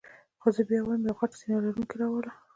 خو زه بیا وایم یو غټ سینه لرونکی را وله.